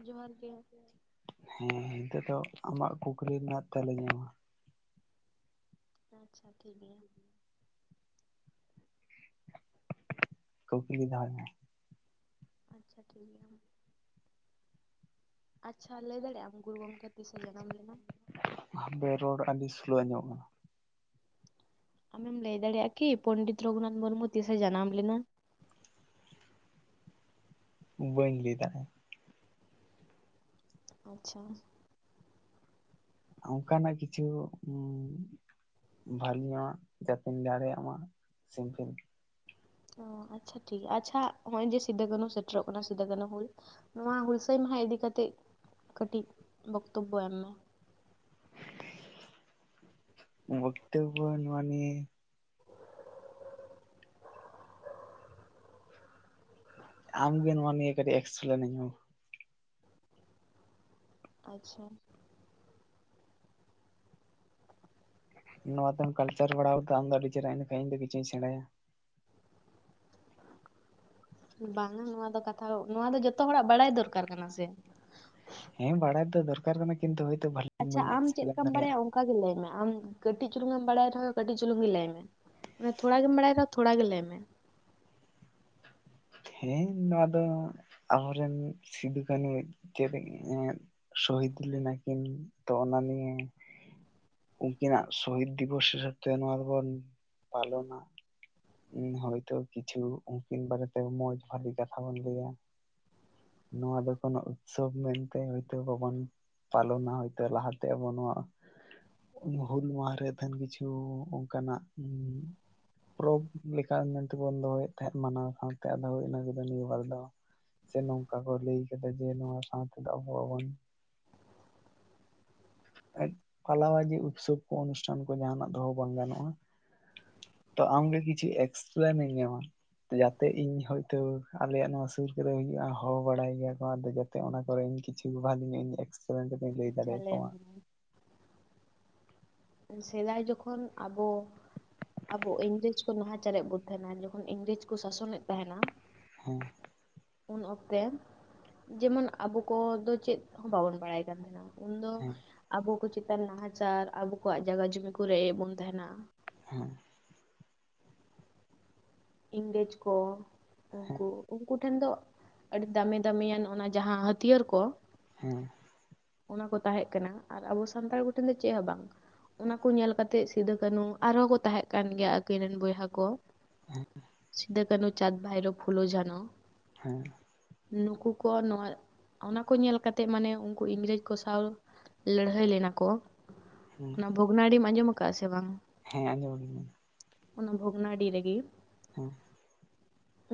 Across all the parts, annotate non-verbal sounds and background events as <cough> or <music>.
ᱡᱚᱦᱟᱨ ᱜᱮ ᱦᱮᱸ ᱱᱤᱛᱳᱜ ᱫᱚ ᱟᱢᱟᱜ ᱠᱩᱠᱞᱤ ᱨᱮᱱᱟᱜ ᱛᱮᱞᱟᱧ ᱮᱢᱟᱢᱟ᱾ ᱟᱪᱪᱷᱟ ᱴᱷᱤᱠ ᱜᱮᱭᱟ᱾ ᱠᱩᱠᱞᱤ ᱫᱚᱦᱚᱭ ᱢᱮ ᱾ ᱟᱪᱪᱷᱟ ᱴᱷᱤᱠ ᱜᱮᱭᱟ ᱢᱟ ᱾ <inaudible> ᱟᱪᱪᱷᱟ ᱞᱟᱹᱭ ᱫᱟᱲᱮᱭᱟᱜ ᱟᱢ ᱜᱩᱨᱩ ᱜᱚᱢᱠᱮ ᱛᱤᱥᱮ ᱡᱟᱱᱟᱢ ᱞᱮᱱᱟ? ᱦᱟᱯᱮ ᱨᱚᱲ ᱟᱹᱰᱤ ᱥᱞᱳ ᱟᱸᱡᱚᱢᱚᱜ ᱠᱟᱱᱟ ᱾ ᱞᱟᱹᱭ ᱫᱟᱲᱮᱭᱟᱜᱼᱟ ᱠᱤ ᱯᱚᱱᱰᱤᱛ ᱨᱚᱜᱷᱩᱱᱟᱛᱷ ᱢᱩᱨᱢᱩ ᱛᱤᱥᱮ ᱡᱟᱱᱟᱢ ᱞᱮᱱᱟ? ᱵᱟᱹᱧ ᱞᱟᱹᱭ ᱫᱟᱲ ᱟᱪᱪᱷᱟ᱾ ᱚᱱᱠᱟᱱᱟᱜ ᱠᱤᱪᱷᱩ ᱵᱷᱟᱞᱮ ᱧᱚᱜᱼᱟᱜ ᱡᱟᱛᱮᱧ ᱫᱟᱲᱮᱭᱟᱜ ᱢᱟ ᱥᱤᱢᱯᱤᱞ ᱾ ᱚ ᱟᱪᱪᱷᱟ ᱴᱷᱤᱠ ᱜᱮᱭᱟ, ᱟᱪᱪᱷᱟ ᱱᱚᱜᱼᱚᱭ ᱡᱮ ᱥᱤᱫᱩ ᱠᱟᱹᱱᱦᱩ ᱥᱮᱴᱮᱨᱚᱜ ᱠᱟᱱᱟ ᱥᱤᱫᱩ ᱠᱟᱹᱱᱦᱩ ᱦᱩᱞ ᱱᱚᱣᱟ ᱦᱩᱞᱥᱟᱹᱭ ᱢᱟᱦᱟ ᱤᱫᱤ ᱠᱟᱛᱮᱫ ᱠᱟᱹᱴᱤᱡ ᱵᱚᱠᱛᱚᱵᱵᱚ ᱮᱢ ᱢᱮ ᱾ ᱵᱠᱛᱚᱵᱵᱚ ᱱᱚᱣᱟ ᱱᱤᱭᱟᱹ ᱟᱢᱜᱮ ᱱᱚᱣᱟ ᱱᱤᱭᱟᱹ ᱠᱟᱹᱴᱤᱡ ᱮᱠᱥᱯᱮᱞᱮᱱᱟ. ᱧ ᱢᱮ ᱢᱟ ᱾ ᱟᱪᱪᱷᱟ ᱾ ᱱᱚᱣᱟᱛᱮᱢ ᱠᱟᱞᱪᱟᱨ ᱵᱟᱲᱟᱣ ᱟᱠᱟᱫᱼᱟ ᱟᱢ ᱫᱚ ᱟᱹᱰᱤ ᱪᱮᱨᱦᱨᱟ ᱮᱸᱰᱮ ᱠᱷᱟᱡ ᱤᱧ ᱫᱚ ᱠᱤᱧᱪᱷᱩᱧ ᱥᱮᱬᱟᱭᱟ ᱾ ᱵᱟᱝᱟ ᱱᱚᱣᱟ ᱫᱚ ᱠᱟᱛᱷᱟ, ᱱᱚᱣᱟ ᱫᱚ ᱡᱚᱛᱚ ᱦᱚᱲᱟᱜ ᱵᱟᱲᱟᱭ ᱫᱚᱨᱠᱟᱨ ᱠᱟᱱᱟ ᱥᱮ᱾ ᱦᱮᱸ ᱵᱟᱲᱟᱭ ᱛᱚ ᱫᱚᱠᱟᱨ ᱠᱟᱱᱟ ᱠᱤᱱᱛᱩ ᱦᱚᱭᱛᱳ ᱵᱷ ᱟᱪᱪᱷᱟ ᱟᱢ ᱪᱮᱫ ᱞᱮᱠᱟᱢ ᱵᱟᱲᱟᱭᱟ ᱚᱱᱠᱟ ᱜᱮ ᱞᱟᱹᱭ ᱢᱮ ᱾ ᱟᱢ ᱠᱟᱹᱴᱤᱡ ᱪᱩᱞᱩᱝ ᱮᱢ ᱵᱟᱲᱟᱭ ᱨᱮᱦᱚᱸ ᱠᱟᱹᱴᱤᱡ ᱪᱩᱞᱩᱝ ᱜᱮ ᱞᱟᱹᱭ ᱢᱮ᱾ ᱛᱷᱚᱲᱟ ᱜᱮᱢ ᱵᱟᱲᱟᱭ ᱠᱷᱟᱡ ᱛᱷᱚᱲᱟ ᱜᱮ ᱞᱟᱹᱭ ᱢᱮ ᱾ ᱦᱮᱸ ᱱᱚᱣᱟ ᱫᱚ, ᱟᱵᱚᱨᱮᱱ ᱥᱤᱫᱩ ᱠᱟᱹᱱᱩ <unintelligible> ᱥᱚᱦᱤᱫ ᱞᱮᱱᱟᱠᱤᱱ ᱛᱚ ᱚᱱᱟ ᱱᱤᱭᱟᱹ ᱩᱱᱠᱤᱱᱟᱜ ᱥᱚᱦᱤᱛ ᱫᱤᱵᱚᱥ ᱨᱮ ᱛᱮ ᱱᱚᱣᱟ ᱫᱚᱵᱚᱱ ᱯᱟᱞᱚᱱᱟ ᱾ ᱦᱚᱭᱛᱚ ᱠᱤᱪᱷᱩ ᱩᱱᱠᱤᱱ ᱵᱟᱨᱮᱛᱮ ᱢᱚᱸᱡᱽ ᱵᱷᱟᱞᱤ ᱠᱟᱛᱷᱟ ᱵᱚᱱ ᱞᱟᱹᱭᱟ᱾ ᱱᱚᱣᱟ ᱫᱚ ᱠᱚᱱᱚ ᱩᱛᱥᱚᱵ ᱢᱮᱱᱛᱮ ᱦᱳᱭᱛᱳ ᱵᱟᱵᱚᱱ ᱯᱟᱞᱚᱱᱟ ᱦᱚᱭᱛᱳ ᱞᱟᱦᱟ ᱛᱮ ᱟᱵᱚ ᱱᱚᱣᱟ ᱦᱩᱞ ᱢᱟᱦᱟ ᱨᱮ ᱛᱟᱦᱮᱱ ᱠᱤᱪᱷᱩ ᱚᱱᱠᱟᱱᱟᱜ ᱯᱚᱨᱚᱵᱽ ᱞᱮᱠᱟ ᱢᱮᱱᱛᱮᱵᱚᱱ ᱫᱚᱦᱚᱭᱮᱫ ᱛᱟᱦᱮᱸᱫ ᱢᱟᱱᱟᱣ ᱥᱟᱶᱛᱮ ᱟᱫᱚ ᱤᱱᱟᱹ ᱱᱤᱭᱟᱹᱵᱟᱨ ᱫᱚ ᱥᱮ ᱱᱚᱝᱠᱟ ᱠᱚ ᱞᱟᱹᱭ ᱠᱟᱫᱟ ᱡᱮ ᱱᱚᱣᱟ ᱥᱟᱶᱛᱮ ᱮᱫ ᱟᱵᱚ ᱵᱚᱱ <inaudible> ᱯᱟᱞᱟᱵᱟᱡᱤ ᱩᱛᱥᱚᱵ ᱠᱚ ᱚᱱᱩᱥᱴᱷᱟᱱ ᱠᱚ ᱡᱟᱦᱟᱱᱟᱜ ᱫᱚᱦᱚ ᱵᱟᱝ ᱜᱟᱱᱚᱜᱼᱟ᱾ ᱛᱚ ᱟᱢᱜᱮ ᱠᱮᱪᱷᱤ ᱮᱠᱥᱯᱞᱮᱱ ᱤᱧ ᱢᱮ ᱢᱟ ᱾ ᱡᱟᱛᱮ ᱤᱧ ᱦᱳᱭᱛᱳ, ᱟᱞᱮᱭᱟᱜ ᱱᱚᱣᱟ ᱥᱩᱨ ᱠᱚᱨᱮ ᱦᱩᱭᱩᱜᱼᱟ ᱦᱚᱦᱚ ᱵᱟᱲᱟᱭ ᱜᱮᱭᱟ ᱠᱚ ᱟᱫᱚ ᱡᱟᱛᱮ ᱚᱱᱟ ᱠᱚᱨᱮᱧ ᱠᱤᱪᱷᱩ ᱵᱷᱟᱞᱮ ᱧᱚᱜ ᱮᱠᱥᱯᱮᱞᱱ ᱠᱟᱛᱮᱧ ᱞᱟᱹᱭ ᱟᱪᱪᱷᱟ ᱫᱟᱲᱮᱭᱟ ᱠᱚᱣᱟ ᱢᱮ ᱾ ᱥᱮᱸᱫᱟᱭ ᱡᱚᱠᱷᱚᱱ ᱟᱵᱚ ᱟᱵᱚ ᱤᱝᱨᱮᱡᱽ ᱠᱚ ᱱᱟᱦᱟᱪᱟᱨᱮᱫ ᱵᱚᱱ ᱛᱟᱦᱮᱱᱟ ᱡᱚᱠᱷᱚᱱ ᱤᱝᱨᱮᱡᱽ ᱠᱚ ᱥᱟᱥᱚᱱᱮᱫ ᱛᱟᱦᱮᱱᱟ ᱦᱮᱸ ᱾ ᱩᱱ ᱚᱠᱛᱮ <inaudible> ᱡᱮᱢᱚᱱ ᱟᱵᱚ ᱠᱚᱫᱚ ᱪᱮᱫ ᱦᱚᱸ ᱵᱟᱵᱚᱱ ᱵᱟᱲᱟᱭ ᱠᱟᱱ ᱛᱟᱦᱮᱱᱟ᱾ ᱩᱱᱫᱚ ᱦᱮᱸ ᱟᱵᱚ ᱠᱚ ᱪᱮᱛᱟᱱ ᱱᱟᱦᱟᱪᱟᱨ, ᱟᱵᱚ ᱠᱚᱣᱟᱜ ᱡᱟᱭᱜᱟ ᱡᱩᱢᱤ ᱠᱚ ᱨᱮᱡ ᱮᱫ ᱵᱚᱱ ᱛᱟᱦᱮᱱᱟ ᱾ ᱮᱸᱼᱦᱮᱜ᱾ ᱤᱝᱨᱮᱡᱽ ᱠᱚ ᱦᱮᱸ ᱩᱱᱠᱩ, ᱩᱱᱠᱩ ᱴᱷᱮᱱ ᱫᱚ ᱟᱹᱰᱤ ᱫᱟᱹᱢᱤ ᱫᱟᱹᱢᱤ ᱫᱟᱹᱢᱤᱭᱟᱱ ᱚᱱᱟ ᱡᱟᱦᱟᱸ ᱦᱟᱹᱛᱭᱟᱹᱨ ᱠᱚ ᱦᱮᱸ ᱾ ᱚᱱᱟ ᱠᱚ ᱛᱟᱸᱦᱮᱡ ᱠᱟᱱᱟ ᱟᱨ ᱟᱵᱚ ᱥᱟᱱᱛᱟᱲ ᱠᱚᱴᱷᱮᱱ ᱫᱚ ᱪᱮᱜ ᱦᱚᱸ ᱵᱟᱝ ᱾ ᱚᱱᱟ ᱠᱚ ᱧᱮᱞ ᱠᱟᱛᱮᱜ ᱥᱤᱫᱩ ᱠᱟᱹᱱᱩ ᱟᱨᱦᱚᱸ ᱠᱚ ᱛᱟᱦᱮᱸᱜ ᱠᱟᱱ ᱜᱮᱭᱟ ᱟᱹᱠᱤᱱ ᱨᱮᱱ ᱵᱚᱭᱦᱟ ᱠᱚ ᱾ <inaudible> ᱥᱤᱫᱟᱹ ᱠᱟᱹᱱᱩ, ᱪᱟᱸᱫᱽ ᱵᱷᱟᱭᱨᱚ, ᱯᱷᱩᱞᱚ ᱡᱷᱟᱱᱚ ᱾ ᱦᱮᱸ ᱾ ᱱᱩᱠᱩ ᱠᱚ ᱱᱚᱣᱟ ᱚᱱᱟ ᱠᱚ ᱧᱮᱞ ᱠᱟᱛᱮᱜ ᱢᱟᱱᱮ ᱩᱝ ᱠᱩ ᱤᱝᱨᱮᱡᱽ ᱠᱚ ᱥᱟᱶ ᱞᱟᱹᱲᱦᱟᱹᱭ ᱞᱮᱱᱟ ᱠᱚ ᱦᱮᱸ ᱚᱱᱟ ᱵᱷᱚᱜᱽᱱᱟᱰᱤᱢ ᱟᱸᱡᱚᱢ ᱠᱟᱜᱼᱟ ᱥᱮ ᱵᱟᱝ? ᱦᱮᱸ ᱟᱸᱡᱚᱢ ᱠᱟᱹᱟᱧ ᱾ ᱚᱱᱟ ᱵᱷᱚᱜᱽᱱᱟᱰᱤ ᱨᱮᱜᱤ ᱦᱮᱸ ᱾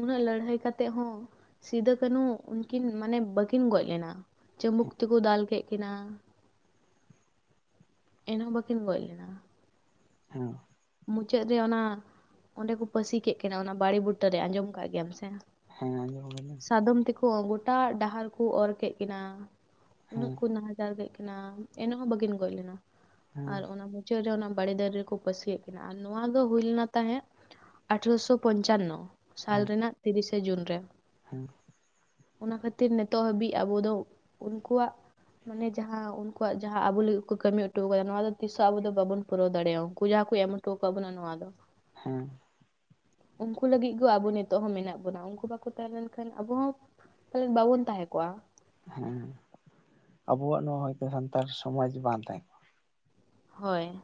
ᱩᱱᱟᱹᱜ ᱞᱟᱹᱲᱦᱟᱹᱭ ᱠᱟᱛᱮᱜ ᱦᱚᱸ ᱥᱤᱫᱷᱩ ᱠᱟᱹᱱᱦᱩ ᱩᱱᱠᱤᱱ ᱢᱟᱱᱮ ᱵᱟᱹᱠᱤᱱ ᱜᱚᱡ ᱞᱮᱱᱟ ᱪᱟᱹᱢᱵᱩᱠ ᱛᱮᱠᱚ ᱫᱟᱞ ᱠᱮᱫ ᱠᱤᱱᱟ, ᱮᱱᱦᱚᱸ ᱵᱟᱹᱠᱤᱱ ᱜᱚᱡ ᱞᱮᱱᱟ ᱾ ᱦᱮᱸ ᱾ ᱢᱩᱪᱟᱹᱫ ᱨᱮ ᱚᱱᱟ ᱚᱸᱰᱮ ᱠᱚ ᱯᱟᱹᱥᱤ ᱠᱮᱜ ᱠᱤᱱᱟ ᱚᱱᱟ ᱵᱟᱸᱲᱮ ᱵᱩᱴᱟᱹᱨᱮ ᱟᱸᱡᱚᱢ ᱠᱟᱜ ᱜᱮᱭᱟᱢ ᱥᱮ? ᱦᱮᱸ ᱟᱸᱡᱚᱢ ᱠᱟᱹᱫᱟᱹᱧ ᱾ ᱥᱟᱫᱚᱢ ᱛᱮᱠᱚ ᱜᱚᱴᱟ ᱰᱟᱦᱟᱨ ᱠᱚ ᱚᱨ ᱠᱮᱜ ᱠᱤᱱᱟ ᱦᱮᱸ ᱩᱱᱟᱹᱜ ᱠᱚ ᱱᱟᱦᱟ ᱪᱟᱨ ᱠᱮᱜ ᱠᱤᱱᱟ ᱮᱱ ᱦᱚᱸ ᱵᱟᱹᱠᱤᱱ ᱜᱚᱡ ᱞᱮᱱᱟ ᱦᱮᱸ ᱟᱨ ᱚᱱᱟ ᱢᱩᱪᱟᱹᱫ ᱨᱮ ᱚᱱᱟ ᱵᱟᱸᱲᱮ ᱫᱟᱨᱮ ᱨᱮᱠᱚ ᱯᱟᱹᱥᱤ ᱠᱮᱜ ᱠᱤᱱᱟ ᱟᱨ ᱱᱚᱣᱟ ᱫᱚ ᱦᱩᱭ ᱞᱮᱱᱟ ᱛᱟᱦᱮᱸᱫ ᱟᱴᱷᱨᱚᱥᱚ ᱯᱚᱧᱪᱟᱱᱱᱚ ᱥᱟᱞ ᱦᱮᱸ ᱨᱮᱱᱟᱜ ᱛᱤᱨᱤᱥᱚ ᱡᱩᱱ ᱨᱮ ᱾ ᱦᱮᱸ ᱾ ᱚᱱᱟ ᱠᱷᱟᱹᱛᱤᱨ ᱱᱤᱛᱚᱜ ᱦᱟᱹᱵᱤᱡ ᱟᱵᱚ ᱫᱚ ᱩᱱᱠᱩᱣᱟᱜ ᱢᱟᱱᱮ ᱡᱟᱦᱟᱸ ᱩᱱᱠᱩᱣᱟᱜ ᱡᱟᱦᱟᱸ ᱟᱵᱚ ᱞᱟᱹᱜᱤᱫ ᱠᱚ ᱠᱟᱹᱢᱤ ᱦᱚᱴᱚ ᱠᱟᱫᱟ ᱱᱚᱣᱟ ᱫᱚ ᱛᱤᱥᱦᱚ ᱟᱵᱚ ᱫᱚ ᱵᱟᱵᱚᱱ ᱯᱩᱨᱟᱹᱣ ᱫᱟᱲᱮᱭᱟᱜᱼᱟ ᱩᱱᱠᱩ ᱡᱟᱦᱟᱸ ᱠᱚ ᱮᱢ ᱴᱚᱠᱟᱜ ᱵᱚᱱᱟ ᱱᱚᱣᱟ ᱫᱚ ᱾ ᱦᱮᱸ ᱾ ᱩᱝᱠᱩ ᱞᱟᱹᱜᱤᱫ ᱜᱳ ᱟᱵᱚ ᱱᱤᱛᱚᱜ ᱦᱚᱸ ᱢᱮᱱᱟᱜ ᱵᱚᱱᱟ ᱩᱝᱠᱳ ᱵᱟᱠᱚ ᱛᱟᱸᱦᱮ ᱞᱮᱱᱠᱷᱟᱱ ᱟᱵᱚ ᱦᱚᱸ ᱯᱟᱞᱮᱱ ᱵᱟᱵᱚᱱ ᱛᱟᱦᱮᱸ ᱠᱚᱜᱼᱟ ᱾ ᱦᱮᱸ ᱟᱵᱚᱣᱟᱜ ᱱᱚᱣᱟ ᱦᱚᱭᱛᱚ ᱥᱟᱱᱛᱟᱲ ᱥᱚᱢᱟᱡᱽ ᱵᱟᱝ ᱛᱟᱦᱮᱸ ᱦᱳᱭ ᱾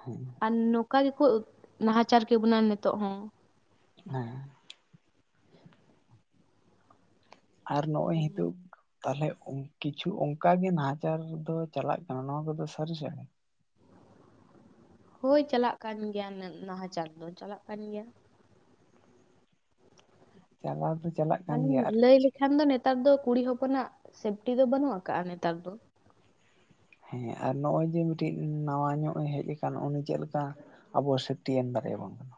ᱦᱮᱸ ᱾ ᱱᱚᱝᱠᱟ ᱜᱮᱠᱚ ᱱᱟᱦᱟᱪᱟᱨ ᱠᱮᱵᱚᱱᱟ ᱱᱤᱛᱚᱜ ᱦᱚᱸ ᱾ ᱦᱮᱸ ᱾ ᱟᱨ ᱱᱚᱜᱼᱚᱭ ᱦᱮᱛᱚᱜ ᱛᱟᱦᱞᱮ ᱠᱤᱪᱷᱩ ᱚᱝᱠᱟᱜᱮ ᱱᱟᱦᱟᱪᱟᱨ ᱫᱚ ᱪᱟᱞᱟᱜ ᱠᱟᱱᱟ ᱱᱚᱣᱟ ᱠᱚᱫᱚ ᱥᱟᱹᱨᱤ ᱥᱮ ᱮᱲᱮ? ᱦᱳᱭ ᱪᱟᱞᱟᱜ ᱠᱟᱱ ᱜᱮᱭᱟ ᱱᱟᱦᱟᱪᱟᱨ ᱫᱚ ᱪᱟᱞᱟᱜ ᱠᱟᱱ ᱜᱮᱭᱟ ᱾ <unintelligible> ᱪᱟᱞᱟᱣ ᱫᱚ ᱪᱟᱞᱟᱜ ᱠᱟᱱ ᱢᱟᱱᱮ ᱜᱮᱭᱟ ᱟᱨ ᱞᱟᱹᱭ ᱠᱤᱪᱷᱩ ᱞᱮᱠᱷᱟᱱ ᱫᱚ ᱱᱮᱛᱟᱨ ᱫᱚ ᱠᱩᱲᱤ ᱦᱚᱯᱚᱱᱟᱜ ᱥᱮᱯᱴᱤ ᱫᱚ ᱵᱟᱹᱱᱩᱜ ᱠᱟᱜᱼᱟ ᱱᱮᱛᱟᱨ ᱫᱚ ᱾ ᱦᱮᱸ ᱟᱨ ᱱᱚᱜᱼᱚᱭ ᱡᱮ ᱢᱤᱫᱴᱤᱡ ᱱᱟᱣᱟ ᱧᱚᱜ ᱦᱮᱡ ᱠᱟᱱ ᱩᱱᱤ ᱪᱮᱫᱞᱮᱠᱟ ᱟᱵᱚ ᱥᱮᱯᱷᱴᱤ ᱮᱢ ᱫᱟᱲᱮᱭᱟᱵᱚᱱ ᱠᱟᱱᱟ ᱾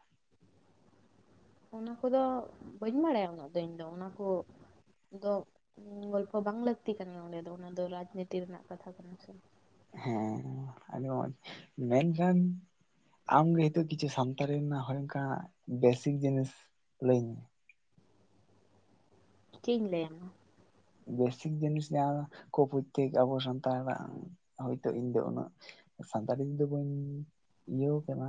ᱚᱱᱟ ᱠᱚᱫᱚ ᱵᱟᱹᱧ ᱵᱟᱲᱟᱭᱟ ᱩᱱᱟᱹᱜ ᱫᱚ ᱤᱧ ᱫᱚ ᱚᱱᱟ ᱠᱚ ᱫᱚ ᱜᱚᱞᱯᱷᱚ ᱵᱟᱝ ᱞᱟᱹᱠᱛᱤ ᱠᱟᱱᱟ ᱚᱸᱰᱮ ᱫᱚ ᱚᱱᱟ ᱫᱚ ᱨᱟᱡᱽᱱᱤᱛᱤ ᱨᱮᱱᱟᱜ ᱠᱟᱛᱷᱟ ᱠᱟᱱᱟ ᱥᱮ ᱾ ᱦᱮᱸ ᱟᱹᱰᱤ ᱢᱚᱸᱡᱽ ᱢᱮᱱᱠᱷᱟᱱ ᱟᱢᱜᱮ ᱦᱚᱭᱛᱚ ᱠᱤᱪᱷᱩ ᱥᱟᱱᱛᱟᱲᱤ ᱨᱮᱱᱟᱜ ᱦᱚᱭ ᱚᱱᱠᱟ ᱵᱮᱥᱤᱠ ᱡᱤᱱᱤᱥ ᱞᱟᱹᱭ ᱢᱮ ᱾ ᱪᱮᱫ ᱤᱧ ᱞᱟᱹᱭᱟᱢᱟ? ᱵᱮᱥᱤᱠ ᱡᱤᱱᱤᱥ ᱡᱟᱦᱟᱸ ᱠᱚ ᱯᱳᱭᱛᱮᱠ ᱟᱵᱚ ᱥᱟᱱᱛᱟᱲᱟᱜ ᱦᱚᱭᱛᱳ ᱤᱧ ᱫᱚ ᱩᱱᱟᱹᱜ ᱥᱟᱱᱛᱟᱲᱤ ᱛᱮᱫᱚ ᱵᱟᱹᱧ ᱤᱭᱟᱹᱣ ᱟᱠᱟᱫᱟ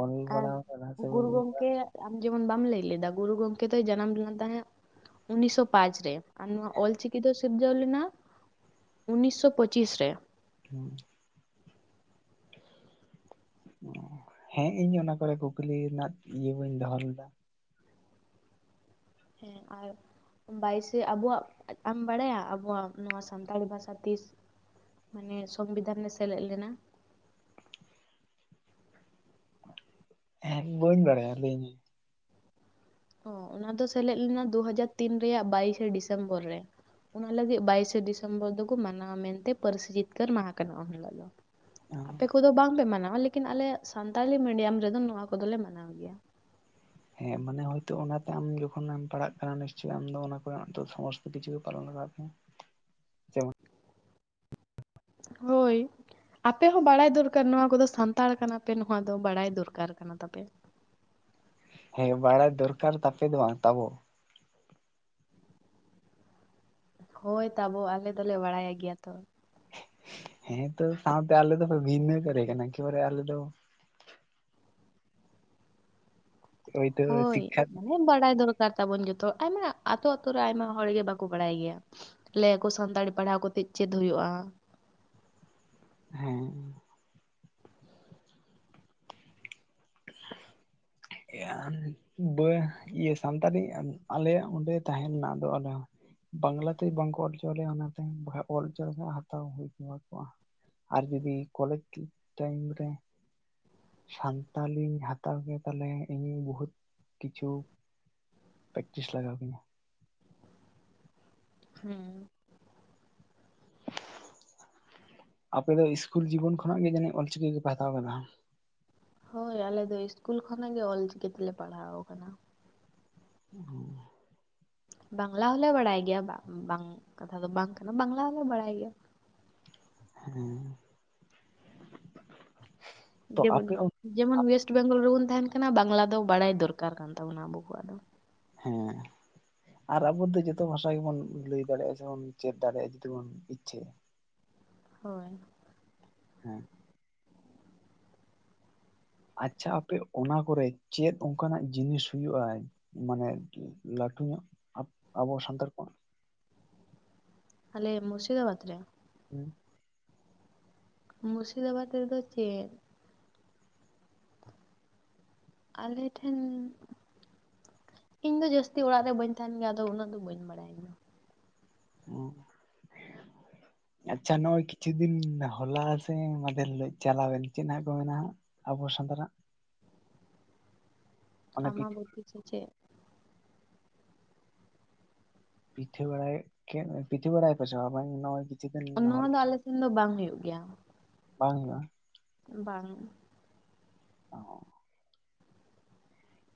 ᱚᱞ ᱟᱨ ᱵᱟᱲᱟᱣ ᱟᱠᱟᱱᱟ ᱥᱮ ᱜᱩᱨᱩ ᱵᱟᱹᱧ ᱤᱭᱟᱹ ᱠᱟ ᱜᱚᱝᱠᱮ ᱟᱢ ᱡᱮᱢᱚᱱ ᱵᱟᱢ ᱞᱟᱹᱭ ᱞᱮᱫᱟ ᱜᱩᱨᱩ ᱜᱚᱢᱠᱮ ᱫᱚᱭ ᱡᱟᱱᱟᱢ ᱞᱮᱱ ᱛᱟᱦᱮᱸᱫ ᱩᱱᱤᱥᱥᱚ ᱯᱟᱸᱪ ᱨᱮ ᱾ ᱟᱨ ᱱᱚᱣᱟ ᱚᱞᱪᱤᱠᱤ ᱫᱚ ᱥᱤᱨᱡᱟᱣ ᱞᱮᱱᱟ ᱩᱱᱤᱥᱥᱚ ᱯᱚᱸᱪᱤᱥ ᱨᱮ ᱾ <unintelligible> ᱦᱮᱸ ᱤᱧ ᱚᱱᱟ ᱠᱚᱨᱮ ᱠᱩᱠᱞᱤ ᱨᱮᱱᱟᱜ ᱤᱭᱟᱹ ᱵᱟᱹᱧ ᱫᱚᱦᱚ ᱞᱮᱫᱟ ᱾ ᱦᱮᱸ ᱟᱨ ᱵᱟᱭ ᱥᱮ ᱟᱵᱚᱣᱟᱜ ᱟᱢ ᱵᱟᱲᱟᱭᱟ ᱟᱵᱚᱣᱟᱜ ᱱᱚᱣᱟ ᱥᱟᱱᱛᱟᱲᱤ ᱵᱷᱟᱥᱟ ᱛᱤᱥ ᱢᱟᱱᱮ ᱥᱚᱝᱵᱤᱫᱷᱟᱱ ᱨᱮ ᱥᱮᱞᱮᱫ ᱞᱮᱱᱟ? ᱦᱮᱸ ᱤᱧ ᱵᱟᱹᱧ ᱵᱟᱲᱟᱭᱟ ᱞᱟᱹᱭᱤᱧ ᱢᱮ ᱾ ᱚ ᱚᱱᱟ ᱫᱚ ᱥᱮᱞᱮᱫ ᱞᱮᱱᱟ ᱫᱩᱦᱟᱡᱟᱨ ᱛᱤᱱ ᱨᱮᱭᱟᱜ ᱵᱟᱭᱤᱥᱮ ᱰᱤᱥᱮᱢᱵᱚᱨ ᱨᱮ ᱾ ᱚᱱᱟ ᱞᱟᱹᱜᱤᱫ ᱵᱟᱭᱤᱥᱮ ᱰᱤᱥᱮᱢᱵᱚᱨ ᱫᱚᱠᱚ ᱢᱟᱱᱟᱣᱟ ᱢᱮᱱᱛᱮ ᱯᱟᱹᱨᱥᱤ ᱡᱤᱛᱠᱟᱹᱨ ᱢᱟᱦᱟ ᱠᱟᱱᱟ ᱩᱱ ᱦᱤᱞᱳ ᱫᱚ ᱚ ᱾ ᱟᱯᱮ ᱠᱚᱫᱚ ᱵᱟᱝᱯᱮ ᱢᱟᱱᱟᱣᱟ ᱞᱮᱠᱤᱱ ᱟᱞᱮ ᱥᱟᱱᱛᱟᱞᱤ ᱢᱤᱰᱤᱭᱟᱢ ᱨᱮᱫᱚ ᱱᱚᱣᱟ ᱠᱚᱫᱚᱞᱮ ᱢᱟᱱᱟᱣ ᱜᱮᱭᱟ ᱾ ᱦᱮᱸ ᱢᱟᱱᱮ ᱦᱳᱭᱛᱳ ᱚᱱᱟᱛᱮ ᱟᱢ ᱡᱚᱠᱷᱚᱱᱮ ᱮᱢ ᱦᱮᱸ ᱢᱟᱱᱮ ᱟᱢ ᱚᱞᱛᱮ ᱢᱟᱱᱮ ᱟᱢᱮᱢ ᱯᱟᱲᱦᱟᱜ ᱠᱟᱱᱟ ᱱᱤᱥᱪᱳᱭ ᱟᱢ ᱫᱚ ᱚᱱᱟ ᱠᱚᱨᱮᱱᱟᱜ ᱥᱚᱢᱚᱥᱛᱚ ᱠᱤᱪᱷᱩ ᱜᱮ ᱯᱟᱞᱚᱱ ᱞᱟᱜᱟᱣ ᱢᱮᱭᱟ ᱾ ᱦᱳᱭ ᱟᱯᱮ ᱦᱚᱸ ᱵᱟᱲᱟᱭ ᱫᱚᱨᱠᱟᱨ ᱱᱚᱣᱟ ᱠᱚᱫᱚ ᱥᱟᱱᱛᱟᱲ ᱠᱟᱱᱟᱯᱮ ᱱᱚᱣᱟ ᱫᱚ ᱵᱟᱲᱟᱭ ᱫᱚᱨᱠᱟᱨ ᱠᱟᱱ ᱛᱟᱯᱮ ᱦᱮᱸ ᱵᱟᱲᱟᱭ ᱫᱚᱨᱠᱟᱨ ᱛᱟᱯᱮ ᱫᱚ ᱵᱟᱝ ᱛᱟᱵᱚ ᱾ ᱦᱳᱭ ᱛᱟᱵᱚ ᱟᱞᱮ ᱫᱚᱞᱮ ᱵᱟᱲᱟᱭ ᱜᱮᱭᱟ ᱛᱚ ᱾ ᱦᱮᱸ ᱛᱚ ᱥᱟᱶᱛᱮ ᱟᱞᱮ ᱫᱚᱯᱮ ᱵᱷᱤᱱᱟᱹ ᱠᱟᱞᱮ ᱠᱟᱱᱟ ᱵᱚᱞᱮ ᱟᱞᱮ ᱫᱚ ᱦᱳᱭᱛᱳ ᱦᱳᱭ ᱥᱤᱠᱠᱷᱟ ᱢᱟᱱᱮ ᱵᱟᱲᱟᱭ ᱫᱚᱨᱠᱟᱨ ᱥᱚᱨᱠᱟᱨ ᱠᱟᱱ ᱛᱟᱵᱚᱱ ᱡᱚᱛᱚ ᱟᱭᱢᱟ ᱟᱹᱛᱩ ᱨᱮ ᱟᱭᱢᱟ ᱦᱚᱲ ᱜᱮ ᱵᱟᱠᱚ ᱵᱟᱲᱟᱭ ᱜᱮᱭᱟ ᱾ ᱞᱟᱹᱭᱟᱠᱚ ᱥᱟᱱᱛᱟᱲᱤ ᱯᱟᱲᱦᱟᱣ ᱠᱟᱛᱮᱫ ᱪᱮᱫ ᱦᱩᱭᱩᱜᱼᱟ? ᱦᱮᱸ <unintelligible> <unintelligible> ᱤᱭᱟᱹ ᱥᱟᱱᱛᱟᱲᱤ ᱟᱞᱮᱭᱟᱜ ᱚᱸᱰᱮ ᱛᱟᱦᱮᱸᱱ ᱢᱟ ᱟᱫᱚ ᱟᱞᱮ ᱦᱚᱸ ᱵᱟᱝᱞᱟᱛᱮ ᱵᱟᱝᱠᱚ ᱚᱞ ᱦᱚᱪᱚ ᱞᱮᱭᱟ ᱚᱱᱟᱛᱮ ᱵᱟᱠᱷᱟᱱ ᱚᱞ ᱦᱚᱪᱚ ᱞᱮᱠᱷᱟᱱ ᱦᱟᱛᱟᱣ ᱦᱩᱭ ᱠᱚᱣᱟ ᱾ ᱟᱨ ᱡᱩᱫᱤ ᱠᱚᱞᱮᱡᱽ ᱴᱟᱭᱤᱢ ᱨᱮ ᱥᱟᱱᱛᱟᱞᱤ ᱦᱟᱛᱟᱣ ᱠᱮᱤᱧ ᱛᱟᱦᱞᱮ ᱤᱧ ᱵᱚᱦᱩᱛ ᱠᱤᱪᱷᱩ ᱯᱮᱠᱴᱤᱥ ᱞᱟᱜᱟᱣ ᱠᱤᱧᱟ ᱾ ᱦᱩᱸ ᱟᱯᱮ ᱫᱚ ᱤᱥᱠᱩᱞ ᱡᱤᱵᱚᱱ ᱠᱷᱚᱱᱟᱜ ᱜᱮ ᱡᱟᱱᱤᱡ ᱚᱞᱪᱤᱠᱤ ᱜᱮᱯᱮ ᱦᱟᱛᱟᱣ ᱠᱟᱫᱟ? ᱦᱳᱭ ᱟᱞᱮ ᱫᱚ ᱤᱥᱠᱩᱞ ᱠᱷᱚᱱᱟᱜ ᱜᱮ ᱚᱞᱪᱤᱠᱤ ᱛᱮᱞᱮ ᱯᱟᱲᱦᱟᱣ ᱠᱟᱱᱟ ᱾ <unintelligible> ᱵᱟᱝᱞᱟ ᱦᱚᱞᱮ ᱵᱟᱲᱟᱭ ᱜᱮᱭᱟ ᱵᱟᱝ ᱵᱟᱝ ᱠᱟᱛᱷᱟ ᱫᱚ ᱵᱟᱝ ᱠᱟᱱᱟ ᱵᱟᱝᱞᱟ ᱦᱚᱞᱮ ᱵᱟᱲᱟᱭ ᱜᱮᱭᱟ ᱾ ᱦᱮᱸ ᱛᱚ ᱡᱮᱢᱚᱱ ᱟᱯᱮ ᱚᱱ ᱡᱮᱢᱚᱱ ᱚᱭᱮᱥᱴ ᱵᱮᱝᱜᱚᱞ ᱨᱮᱵᱚᱱ ᱛᱟᱦᱮᱱ ᱠᱟᱱᱟ ᱵᱟᱝᱞᱟ ᱫᱚ ᱵᱟᱲᱟᱭ ᱫᱚᱨᱠᱟᱨ ᱠᱟᱱ ᱛᱟᱵᱚᱱᱟ ᱟᱵᱚ ᱠᱚᱣᱟᱜ ᱫᱚ ᱾ ᱦᱮᱸ ᱟᱨ ᱟᱵᱚ ᱫᱚ ᱡᱚᱛᱚ ᱵᱷᱟᱥᱟ ᱜᱮᱵᱚᱱ ᱞᱟᱹᱭ ᱫᱟᱲᱮᱭᱟᱜᱼᱟ ᱥᱮᱵᱚᱱ ᱪᱮᱫ ᱫᱟᱲᱮᱭᱟᱜᱼᱟ ᱡᱩᱫᱤ ᱵᱚᱱ ᱤᱪᱪᱷᱟᱹᱭᱟ ᱾ ᱦᱳᱭ ᱦᱮᱸ ᱟᱪᱪᱷᱟ ᱟᱯᱮ ᱚᱱᱟ ᱠᱚᱨᱮ ᱪᱮᱫ ᱚᱱᱠᱟᱱᱟᱜ ᱡᱤᱱᱤᱥ ᱦᱩᱭᱩᱜᱼᱟ ᱢᱟᱱᱮ ᱟᱨᱠᱤ ᱞᱟᱹᱴᱩ ᱧᱚᱜ ᱟᱵᱚ ᱥᱟᱱᱛᱟᱲ ᱠᱚᱣᱟᱜ? ᱟᱞᱮ ᱢᱩᱨᱥᱤᱫᱟᱵᱟᱫᱽ ᱨᱮ, ᱦᱩᱸ ᱢᱩᱨᱥᱤᱫᱟᱵᱟᱫᱽ ᱨᱮᱫᱚ ᱪᱮᱫ ᱟᱞᱮ ᱴᱷᱮᱱ ᱤᱧ ᱫᱚ ᱡᱟᱹᱥᱛᱤ ᱚᱲᱟᱜ ᱨᱮ ᱵᱟᱹᱧ ᱛᱟᱦᱮᱱ ᱜᱮᱭᱟ ᱟᱫᱚ ᱩᱱᱟᱹᱜ ᱫᱚ ᱵᱟᱹᱧ ᱵᱟᱲᱟᱭᱟ ᱾ <unintelligible> <unintelligible> ᱟᱪᱪᱷᱟ ᱱᱚᱜᱼᱚᱭ ᱠᱤᱪᱷᱩ ᱫᱤᱱ ᱦᱚᱞᱟ ᱥᱮ ᱢᱟᱫᱮᱨ ᱦᱤᱞᱳᱜ ᱪᱟᱞᱟᱣ ᱮᱱ ᱪᱮᱫ ᱦᱟᱸᱜ ᱠᱚ ᱢᱮᱱᱟ ᱦᱟᱸᱜ? ᱟᱵᱚ ᱥᱟᱱᱛᱟᱲ ᱟᱜ᱾ ᱚᱱᱮ ᱯᱤᱴᱷᱟᱹ ᱟᱢᱵᱟᱵᱩᱛᱤ ᱥᱮ ᱪᱮᱫ? ᱯᱤᱴᱷᱟᱹ ᱵᱟᱲᱟᱭ ᱠᱮᱫ, ᱯᱤᱴᱷᱟᱹ ᱵᱟᱲᱟᱭ ᱟᱯᱮ ᱥᱮ ᱵᱟᱝ <unintelligible> ᱱᱚᱶᱟ ᱫᱚ ᱦᱚᱞᱟ ᱟᱞᱮ ᱥᱮᱱ ᱫᱚ ᱵᱟᱝ ᱦᱳᱭᱳᱜ ᱜᱮᱭᱟ᱾ ᱵᱟᱝ ᱦᱩᱭᱩᱜᱼᱟ? ᱵᱟᱝ, ᱚ,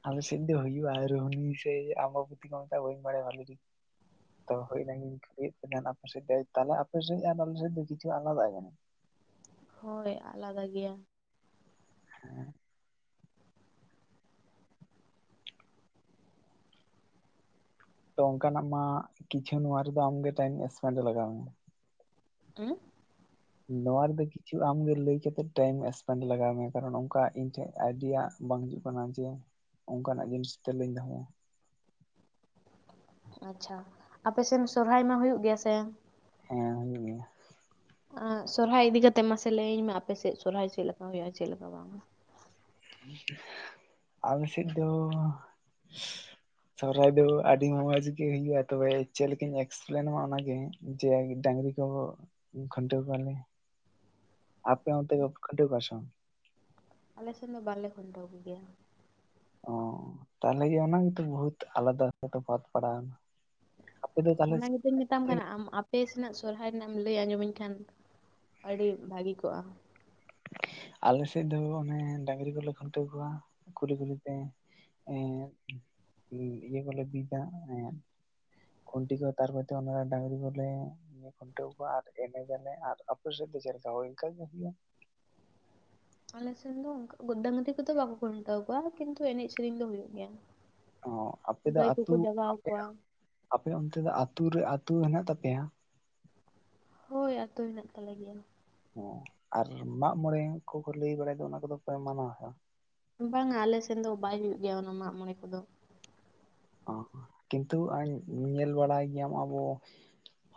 ᱟᱞᱮ ᱥᱮᱫ ᱫᱚ ᱦᱩᱭᱩᱜ-ᱟ᱾ ᱨᱩᱱᱦᱤ ᱥᱮ ᱟᱵᱟ‌ᱵᱩᱛᱤ ᱠᱚ ᱢᱮᱛᱟᱜᱟ ᱵᱟᱹᱧ ᱵᱟᱲᱟᱭᱟ ᱵᱷᱟᱞᱮ ᱴᱷᱤᱠ, ᱛᱚ ᱦᱩᱭ ᱚᱱᱟ ᱜᱮᱧ <unintelligible> ᱟᱯᱮ ᱥᱮᱫ ᱫᱚ ᱛᱟᱞᱦᱮ ᱟᱯᱮ ᱥᱮᱫ ᱟᱨ ᱟᱞᱮ ᱥᱮᱫ ᱫᱚ ᱠᱤᱪᱷᱩ ᱟᱞᱟᱫᱟᱜ ᱡᱟᱹᱱᱤᱡ, ᱦᱳᱭ ᱟᱞᱟᱫᱟ ᱜᱮᱭᱟ᱾ ᱦᱮᱸ, ᱛᱚ ᱚᱱᱠᱟ ᱱᱟᱜ ᱢᱟ ᱠᱤᱪᱷᱩ ᱱᱚᱣᱟ ᱨᱮᱫᱚ ᱟᱢᱜᱮ ᱴᱟᱭᱤᱢ ᱥᱯᱮᱱᱰ ᱞᱟᱜᱟᱣ ᱢᱮᱭᱟ᱾ ᱩᱸ, ᱱᱚᱣᱟ ᱨᱮ ᱫᱚ ᱠᱤᱪᱷᱩ ᱟᱢ ᱜᱮ ᱞᱟᱹᱭ ᱠᱟᱛᱮᱫ ᱴᱟᱭᱤᱢ ᱥᱯᱮᱱᱰ ᱞᱟᱜᱟᱣ ᱢᱮᱭᱟ, ᱠᱟᱨᱚᱱ ᱚᱱᱠᱟ ᱤᱧ ᱴᱷᱮᱱ ᱟᱭᱰᱤᱭᱟ ᱵᱟᱝ ᱦᱤᱡᱩᱜ ᱠᱟᱱᱟ, ᱡᱮ ᱚᱱᱠᱟ ᱱᱟᱜ ᱡᱤᱱᱤᱥ ᱴᱷᱮᱱ ᱞᱤᱧ ᱫᱚᱦᱚᱭᱟ᱾ ᱟᱪᱪᱷᱟ, ᱟᱯᱮ ᱥᱮᱱ ᱥᱚᱨᱦᱟᱭ ᱢᱟ ᱦᱩᱭᱩᱜ ᱜᱮᱭᱟ ᱥᱮ? ᱦᱮᱸ ᱦᱩᱭᱩᱜ ᱜᱮᱭᱟ᱾ ᱟ ᱥᱚᱨᱦᱟᱭ ᱤᱫᱤ ᱠᱟᱛᱮᱜ ᱢᱟ ᱥᱮ ᱞᱟᱹᱭ ᱟᱹᱧ ᱢᱮ ᱟᱯᱮ ᱥᱮᱫ ᱥᱚᱨᱦᱟᱭ ᱪᱮᱫ ᱞᱮᱠᱟ ᱦᱩᱭᱩᱜᱼᱟ ᱪᱮᱫ ᱞᱮᱠᱟ ᱵᱟᱝ-ᱟ? ᱟᱞᱮ ᱥᱮᱫ ᱫᱚ, ᱥᱚᱨᱦᱟᱭ ᱫᱚ ᱟᱹᱰᱤ ᱢᱚᱸᱡᱽ ᱜᱮ ᱦᱩᱭᱩᱜᱼᱟ ᱛᱚᱵᱮ ᱪᱮᱫ ᱞᱮᱠᱟᱧ ᱮᱠᱥᱯᱞᱮ ᱟᱢᱟ ᱚᱱᱟ ᱜᱮ, ᱡᱮ ᱰᱟᱹᱝᱨᱤ ᱠᱚ ᱠᱷᱩᱱᱴᱟᱹᱣ ᱠᱚᱣᱟ ᱞᱮ᱾ ᱟᱯᱮ ᱚᱱᱛᱮ ᱠᱚ ᱠᱷᱩᱱᱴᱟᱹᱣ ᱠᱚᱣᱟ ᱥᱮ ᱵᱟᱝ? ᱟᱞᱮ ᱥᱮᱫ ᱫᱚ ᱵᱟ ᱞᱮ ᱠᱷᱩᱱᱴᱟᱹᱣ ᱠᱚ ᱜᱮᱭᱟ᱾ ᱚ, ᱛᱟᱦᱞᱮ ᱡᱮ ᱚᱱᱟ ᱜᱮᱛᱚ ᱵᱚ ᱦᱩᱛ ᱟᱞᱟᱫᱟ ᱛᱚᱯᱷᱟᱫ ᱯᱟᱲᱟᱣ ᱱᱟ᱾ ᱚᱱᱟ ᱜᱮᱛᱚᱧ ᱢᱮᱛᱟᱢ ᱠᱟᱱᱟ ᱟᱢ ᱟᱯᱮ ᱥᱮᱱᱟᱜ ᱥᱚᱨᱦᱟᱭ ᱨᱮᱱᱟᱜ ᱮᱢ ᱞᱟᱹᱭ ᱟᱸᱡᱚᱢ ᱟᱹᱧ ᱠᱷᱟᱡ, ᱟᱹᱰᱤ ᱵᱷᱟᱹᱜᱤ ᱠᱚᱜᱼᱟ᱾ ᱟᱞᱮ ᱥᱮᱫ ᱫᱚ ᱚᱱᱮ ᱰᱟᱹᱝᱨᱤ ᱠᱚᱞᱮ ᱠᱷᱩᱱᱴᱟᱹᱣ ᱠᱚᱣᱟ ᱠᱩᱞᱦᱤ ᱠᱩᱞᱦᱤ ᱛᱮ᱾ ᱮᱸᱫ ᱤᱭᱟᱹ ᱠᱚ ᱞᱮ ᱵᱤᱫᱟ, ᱮᱸᱫ ᱠᱷᱩᱱᱴᱤ ᱠᱚ ᱛᱟᱯᱚᱨ ᱚᱱᱟ ᱨᱮ ᱰᱟᱹᱝᱨᱤ ᱠᱚ ᱞᱮ ᱠᱷᱩᱱᱴᱟᱹᱣ ᱠᱚᱣᱟ ᱟᱨ ᱮᱱᱮᱡ ᱡᱟᱞᱮ, ᱟᱨ ᱟᱯᱮ ᱥᱮᱫ ᱫᱚ ᱪᱮᱫ ᱞᱮᱠᱟ ᱦᱳᱭ ᱚᱱᱠᱟ ᱜᱮ ᱦᱳᱭᱳᱜᱼᱟ᱾ ᱟᱞᱮ ᱥᱮᱱ ᱫᱚ ᱚᱱᱠᱟ ᱰᱟᱹᱝᱨᱤ ᱠᱚᱫᱚ ᱵᱟᱠᱚ ᱠᱷᱩᱱᱴᱟᱹᱣ ᱠᱚᱣᱟ, ᱠᱤᱱᱛᱩ ᱮᱱᱮᱡ ᱥᱮᱨᱮᱧ ᱫᱚ ᱦᱩᱭᱩᱜ ᱜᱮᱭᱟ᱾ ᱚ ᱟᱯᱮ ᱫᱚ ᱜᱟᱹᱭ ᱠᱚᱠᱚ ᱟᱹᱛᱩ ᱡᱟᱜᱟᱣ ᱠᱚᱣᱟ ᱟᱯᱮ ᱚᱱᱛᱮ ᱫᱚ ᱟ ᱟᱹᱛᱩ ᱨᱮ ᱟᱹᱛᱩ ᱦᱮᱱᱟᱜ ᱛᱟᱯᱮᱭᱟ? ᱦᱳᱭ ᱟᱹᱛᱳ ᱦᱮᱱᱟᱜ ᱛᱟᱞᱮ ᱜᱮᱭᱟ᱾ ᱚ ᱟᱨ ᱢᱟᱜ ᱢᱚᱬᱮ ᱠᱚᱠᱚ ᱞᱟᱹᱭ ᱵᱟᱲᱟᱭ ᱫᱚ ᱚᱱᱟ ᱠᱚᱫᱚ ᱯᱮ ᱢᱟᱱᱟᱣ ᱟᱥᱮ ᱵᱟᱝ? ᱵᱟᱝᱼᱟ ᱟᱞᱮ ᱥᱮᱱ ᱫᱚ ᱵᱟᱭ ᱦᱩᱭᱩᱜ ᱜᱮᱭᱟ ᱚᱱᱟ ᱢᱟᱜᱼᱢᱚᱬᱮᱸ ᱠᱚᱫᱚ᱾ ᱚ, ᱠᱤᱱᱛᱩ ᱧᱮᱞ ᱵᱟᱲᱟᱭ ᱜᱮᱭᱟᱢ ᱟᱵᱚ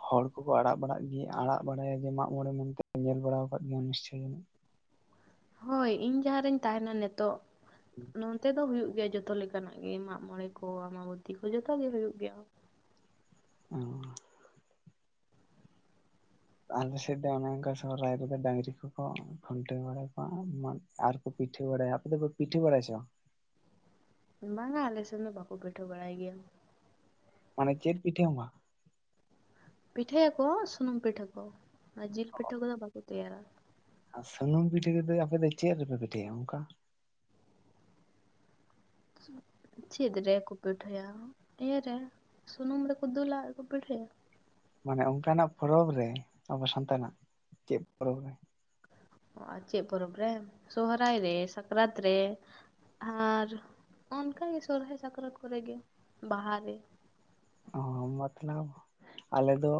ᱦᱚᱲ ᱠᱚᱠᱚ ᱟᱲᱟᱜ <unintelligible> ᱟᱲᱟᱜ ᱵᱟᱲᱟᱜ ᱜᱮ ᱟᱱᱟᱜ ᱜᱮᱭᱟ ᱡᱮ ᱢᱟᱜ ᱢᱚᱬᱮ ᱢᱮᱱᱛᱮ ᱧᱮᱞ ᱵᱟᱲᱟ ᱟᱠᱟᱫ ᱜᱮᱭᱟᱢ ᱱᱤᱥᱪᱚᱭ ᱡᱟᱹᱱᱤᱡ, ᱦᱳᱭ ᱤᱧ ᱡᱟᱦᱟ ᱨᱮᱧ ᱛᱟᱦᱮᱱᱟ ᱱᱤᱛᱚᱜ ᱱᱚᱱᱛᱮ ᱫᱚ ᱦᱩᱭᱩᱜ ᱜᱮᱭᱟ ᱡᱚᱛ ᱛᱚ ᱞᱮᱠᱟᱱᱟᱜ ᱜᱮ ᱢᱟᱜᱼᱢᱚᱬᱮᱸ ᱠᱚ, ᱟᱢᱟᱵᱚᱛᱤ ᱠᱚ ᱡᱚᱛᱚ ᱜᱮ ᱦᱩᱭᱩᱜ ᱜᱮᱭᱟ᱾ ᱚ, ᱟᱞᱮ ᱥᱮᱫ ᱫᱚ ᱚᱱᱮ ᱚᱱᱠᱟ ᱥᱚᱦᱟᱭ ᱨᱮ ᱫᱚ ᱰᱟᱹᱝᱨᱤ ᱠᱚᱠᱚ ᱠᱷᱩᱱᱴᱟᱹᱣ ᱵᱟᱲᱟ ᱠᱚᱣᱟ᱾ ᱟᱨ ᱠᱚ ᱯᱤᱴᱷᱟᱹ ᱵᱟᱲᱟᱭᱟ᱾ ᱟᱯᱮ ᱫᱚ ᱯᱤᱴᱷᱟᱹ ᱵᱟᱲᱟᱭᱼᱟ ᱥᱮ ᱵᱟᱝ? ᱵᱟᱝᱼᱟ ᱟᱞᱮ ᱥᱮᱱ ᱫᱚ ᱵᱟᱠᱚ ᱯᱤᱴᱷᱟᱹ ᱵᱟᱲᱟᱭ ᱜᱮᱭᱟ᱾ ᱢᱟᱱᱮ ᱪᱮᱫ ᱯᱤᱴᱷᱟᱹ ᱦᱚᱸ‌ ᱵᱟᱝ? ᱯᱤᱴᱷᱟᱹᱭ ᱟᱠᱚ ᱥᱩᱱᱩᱢ ᱯᱤᱴᱷᱟᱹ ᱠᱚ, ᱚᱱᱟ ᱡᱤᱞ ᱯᱤᱴᱷᱟᱹ ᱠᱚᱫᱚ ᱵᱟᱠᱚ ᱛᱮᱭᱟᱨᱟ᱾ ᱟᱨ ᱥᱩᱱᱩᱢ ᱯᱤᱴᱷᱟᱹ ᱠᱚ ᱫᱚ ᱟᱯᱮ ᱫᱚ ᱪᱮᱫ ᱨᱮᱯᱮ ᱯᱤᱴᱷᱟᱹᱭᱟ ᱚᱱᱠᱟ? ᱪᱮᱫ ᱨᱮᱠᱚ ᱯᱤᱴᱷᱟᱹᱭᱟ, ᱤᱭᱟᱹ ᱨᱮ ᱥᱩᱱᱩᱢ ᱨᱮᱠᱚ ᱫᱩᱞᱟ ᱟᱨ ᱠᱚ ᱯᱤᱴᱷᱟᱹᱭᱟ᱾ ᱢᱟᱱᱮ ᱚᱱᱠᱟᱱᱟᱜ ᱯᱚᱨᱚᱵᱽ ᱨᱮ, ᱟᱵᱚ ᱥᱟᱱᱛᱟᱲᱟᱜ ᱪᱮᱫ ᱯᱚᱨᱚᱵᱽ ᱨᱮ ᱟᱨ ᱪᱮᱫ ᱯᱚᱨᱚᱵᱽ ᱨᱮ, ᱥᱚᱦᱚᱨᱟᱭ ᱨᱮ ᱥᱟᱠᱨᱟᱛ ᱨᱮ ᱾ ᱟᱨ ᱚᱱᱠᱟᱜᱮ ᱥᱚᱨᱚᱦᱟᱭ ᱥᱟᱠᱨᱟᱛ ᱠᱚᱨᱮ ᱜᱮ ᱵᱟᱦᱟ ᱨᱮ᱾ ᱚ ᱢᱚᱛᱞᱚᱵ ᱟᱞᱮ ᱫᱚ,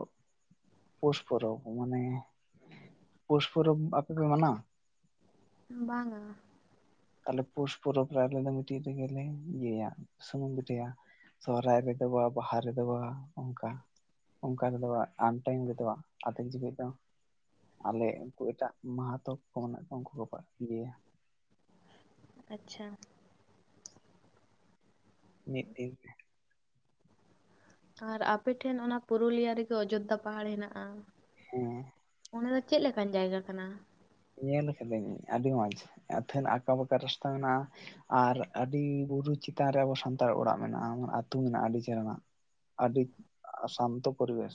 ᱯᱩᱥ ᱯᱚᱨᱚᱵᱽ ᱢᱟᱱᱮ ᱯᱩᱥ ᱯᱚᱨᱚᱵᱽ ᱟᱯᱮ ᱯᱮ ᱢᱟᱱᱟᱣᱟ? ᱵᱟᱝᱼᱟ᱾ ᱟᱞᱮ ᱯᱩᱥ ᱯᱚᱨᱚᱵᱽ ᱨᱮ ᱟᱞᱮ ᱫᱚ ᱢᱤᱫᱴᱤᱡ ᱨᱮᱜᱮᱞᱮ ᱤᱭᱟᱹᱭᱟ ᱥᱩᱱᱩᱢ ᱯᱤᱴᱷᱟᱹᱭᱟ ᱾ ᱥᱚᱦᱚᱨᱟᱭ ᱨᱮᱫᱚ ᱵᱟ, ᱵᱟᱦᱟ ᱨᱮᱫᱚ ᱵᱟ ᱚᱱᱠᱟ᱾ ᱚᱱᱠᱟ ᱛᱮᱫᱚ ᱵᱟᱝ, ᱟᱢ ᱴᱟᱭᱤᱢ ᱨᱮᱫᱚ ᱵᱟᱝ᱾ ᱟᱛᱮᱠ ᱡᱤᱣᱤᱡ ᱫᱚ ᱟᱞᱮ ᱩᱱᱠᱩ ᱮᱴᱟᱜ ᱢᱟᱦᱟᱛ ᱠᱚ ᱢᱮᱱᱟᱜ ᱠᱚᱣᱟ, ᱩᱱᱠᱩ ᱠᱚ ᱤᱭᱟᱹᱭᱟ᱾ ᱟᱪᱪᱷᱟ᱾ ᱢᱤᱫ ᱫᱤᱱ᱾ ᱟᱨ ᱟᱯᱮᱴᱷᱮᱱ ᱚᱱᱟ ᱯᱩᱨᱩᱞᱤᱭᱟ ᱨᱮᱜᱮ ᱚᱡᱳᱫᱽᱫᱷᱟ ᱯᱟᱦᱟᱲ ᱦᱮᱱᱟᱜᱼᱟ᱾ ᱦᱮᱸ᱾ ᱚᱸᱰᱮ ᱫᱚ ᱪᱮᱫ ᱞᱮᱠᱟᱱ ᱡᱟᱭᱜᱟ ᱠᱟᱱᱟ? ᱧᱮᱞ ᱠᱟᱹᱫᱟᱹᱧ ᱟᱹᱰᱤ ᱢᱚᱸᱡᱽ, ᱟᱹᱛᱷᱟᱹᱱ ᱟᱸᱠᱟ ᱵᱟᱠᱟ ᱨᱟᱥᱛᱟ ᱢᱮᱱᱟᱜᱼᱟ᱾ ᱟᱨ ᱟᱹᱰᱤ ᱵᱩᱨᱩ ᱪᱮᱛᱟᱱ ᱨᱮ ᱟᱵᱚ ᱥᱟᱱᱛᱟᱲ ᱚᱲᱟᱜ ᱢᱮᱱᱟᱜᱼᱟ᱾ ᱟᱹᱛᱩ ᱢᱮᱱᱟᱜᱼᱟ ᱟᱹᱰᱤ ᱪᱮᱦᱨᱟᱱᱟᱜ ᱾ ᱟᱹᱰᱤ ᱥᱟᱱᱛᱚ ᱯᱚᱨᱤᱵᱮᱥ᱾